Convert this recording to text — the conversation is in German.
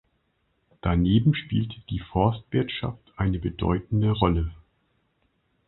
Daneben spielt die Forstwirtschaft eine bedeutende Rolle.